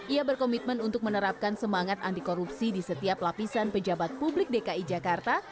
ia berkomitmen untuk menerapkan semangat anti korupsi di setiap lapisan pejabat publik dki jakarta